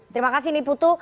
terima kasih niputu